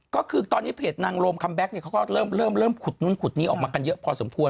ก็คือตอนนี้เพจนางโรมคัมแก๊กเนี่ยเขาก็เริ่มขุดนู่นขุดนี้ออกมากันเยอะพอสมควร